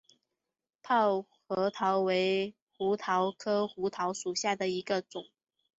泡核桃为胡桃科胡桃属下的一个种。